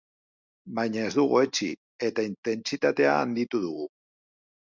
Baina ez dugu etsi, eta intentsitatea handitu dugu.